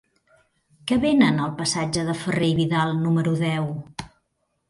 Què venen al passatge de Ferrer i Vidal número deu?